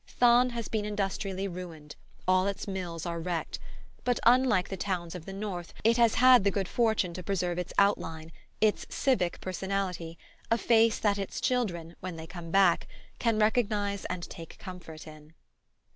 Thann has been industrially ruined, all its mills are wrecked; but unlike the towns of the north it has had the good fortune to preserve its outline, its civic personality, a face that its children, when they come back, can recognize and take comfort in.